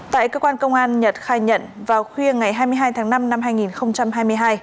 tại cơ quan công an nhật khai nhận vào khuya ngày hai mươi hai tháng năm năm hai nghìn hai mươi hai